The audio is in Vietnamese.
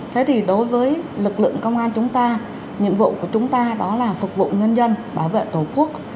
thế thì đối với lực lượng công an chúng ta nhiệm vụ của chúng ta đó là phục vụ nhân dân bảo vệ tổ quốc